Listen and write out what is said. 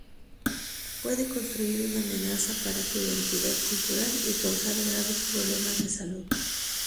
Puede constituir una amenaza para su identidad cultural y causar graves problemas de salud.